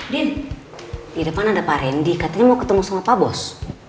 deh di depan ada pak rendy katanya mau ketemu sama pak bos